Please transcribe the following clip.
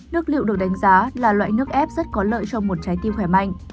nước liệu được đánh giá là loại nước ép rất có lợi cho một trái tim khỏe mạnh